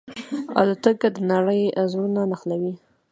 الوتکه د نړۍ زړونه نښلوي.